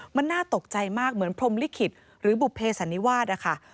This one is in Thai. มันน่าตกใจมากเหมือนพรมลิขิตหรือบุภเสันนิวาสนะคะ